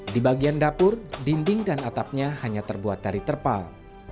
di bagian dapur dinding dan atapnya hanya terbuat dari terpal